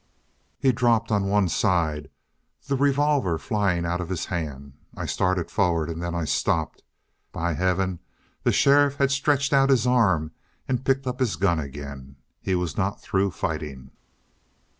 "He dropped on one side, the revolver flying out of his hand. I started forward, and then I stopped. By heaven, the sheriff had stretched out his arm and picked up his gun again. He was not through fighting.